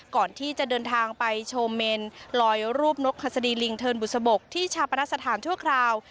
ก่อนที่จะเดินทางไปโชว์เมนลอยรูปนกหัสดีลิงเทินบุษบกที่ชาปนสถานชั่วคราว